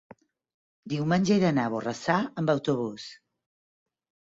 diumenge he d'anar a Borrassà amb autobús.